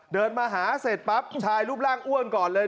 เดินมาหาเสร็จปั๊บชายรูปร่างอ้วนก่อนเลย